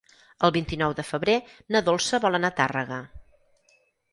El vint-i-nou de febrer na Dolça vol anar a Tàrrega.